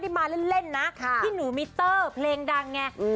ใครเคยคิดมองตัวเอง